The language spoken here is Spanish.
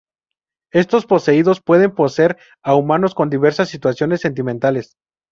Estos poseídos pueden poseer a humanos con diversas situaciones sentimentales